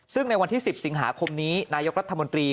ซึ่งในวันที่๑๐สิงหาคมนี้นายกรัฐมนตรี